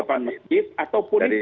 oh tidak tidak tidak